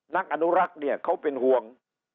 นักอนุรักษ์เนี่ยเขาเป็นห่วง